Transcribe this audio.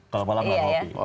kalau malam nggak kopi